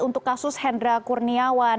untuk kasus hendra kurniawan